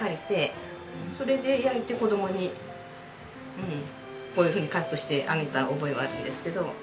それで焼いて子供にこういうふうにカットしてあげた覚えはあるんですけど。